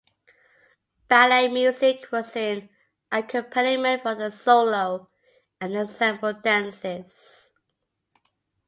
Ballet music was an accompaniment for the solo and ensemble dances.